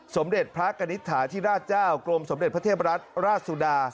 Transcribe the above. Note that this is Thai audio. สมเด็จพระกณิตฐาธิราชเจ้ากรมสมเด็จพระเทพรัฐราชสุดา